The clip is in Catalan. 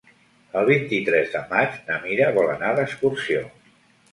El vint-i-tres de maig na Mira vol anar d'excursió.